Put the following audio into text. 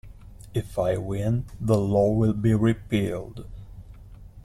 If I win, the law will be repealed.